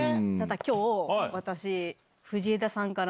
今日私。